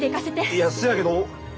いやそやけど。